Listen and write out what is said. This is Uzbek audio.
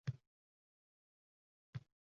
Qon bosimim past ekan